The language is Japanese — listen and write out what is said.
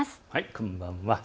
こんばんは。